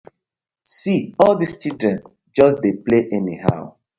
See all dis children just dey play anyhow.